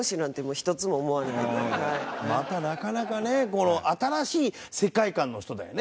またなかなかねこの新しい世界観の人だよね。